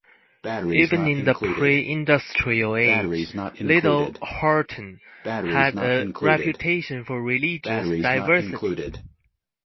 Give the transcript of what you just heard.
Even in the pre-industrial age, Little Horton had a reputation for religious diversity.